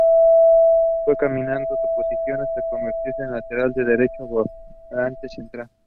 Fue cambiando su posición hasta convertirse en lateral derecho o volante central.